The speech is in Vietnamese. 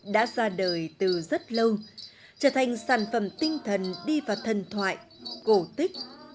đã ra đời từ rất lâu trở thành sản phẩm tinh thần đi vào thần thoại cổ tích